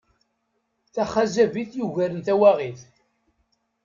Taxazabit yugaren tawaɣit.